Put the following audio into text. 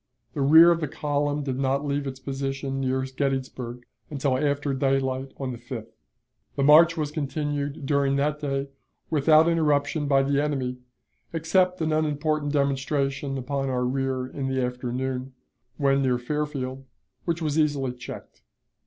The rear of the column did not leave its position near Gettysburg until after daylight on the 5th. The march was continued during that day without interruption by the enemy, except an unimportant demonstration upon our rear in the afternoon, when near Fairfield, which was easily checked.